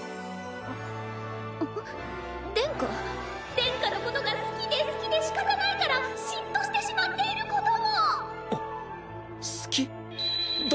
殿下のことが好きで好きでしかたないから嫉妬してしまっていることも。